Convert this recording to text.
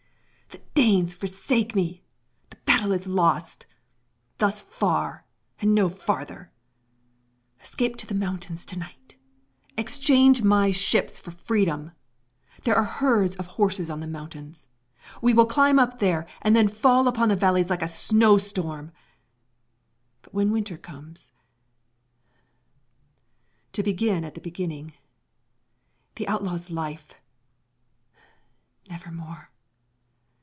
_ The Danes forsake me! The battle is lost! Thus far and no farther! Escape to the mountains to night! Exchange my ships for freedom! There are herds of horses on the mountains: we will climb up there and then fall upon the valleys like a snowstorm. But when winter comes? To begin at the beginning: the outlaw's life never more!